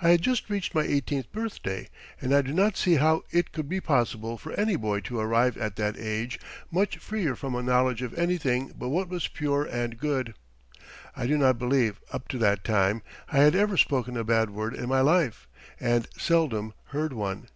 I had just reached my eighteenth birthday, and I do not see how it could be possible for any boy to arrive at that age much freer from a knowledge of anything but what was pure and good. I do not believe, up to that time, I had ever spoken a bad word in my life and seldom heard one.